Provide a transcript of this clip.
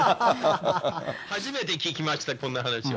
初めて聞きました、こんな話は。